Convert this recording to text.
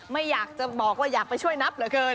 ไม่อยากจะบอกว่าอยากไปช่วยนับเหลือเกิน